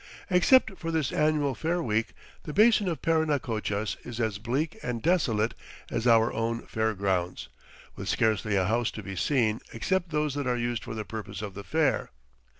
Except for this annual fair week, the basin of Parinacochas is as bleak and desolate as our own fair grounds, with scarcely a house to be seen except those that are used for the purposes of the fair.